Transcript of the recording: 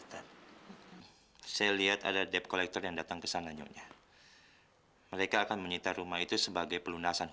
tidak ada yang bisa mencari teman lain